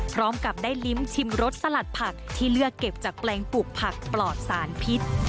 พร้อมกับได้ลิ้มชิมรสสลัดผักที่เลือกเก็บจากแปลงปลูกผักปลอดสารพิษ